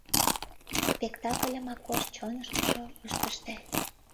Спектакльым Акош чонышкыжо ыш пыште.